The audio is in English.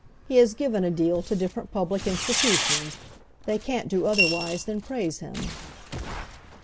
He has given a deal to different public institutions. They can't do otherwise than praise him."